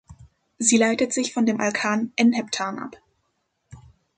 Sie leitet sich von dem Alkan "n"-Heptan ab.